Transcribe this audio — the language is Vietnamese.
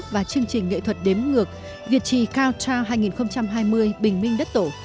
và chương trình nghệ thuật đếm ngược việt trì counture hai nghìn hai mươi bình minh đất tổ